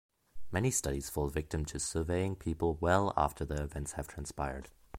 Many studies fall victim to surveying people well after the events have transpired.